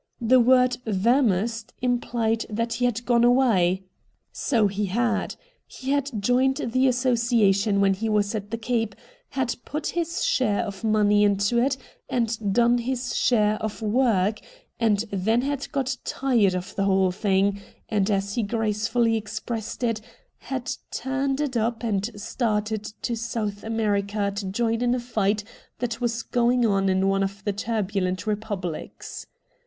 The word ' vamosed ' implied that he had gone away. So he had. He had joined the association when he was at the Cape, had put his share of money into it and done his share of work, and then had got tired of the whole thing, and, as he gracefully expressed it, had turned it up and started to South America to join in a fight that was going on in one of the turbulent Eepublics.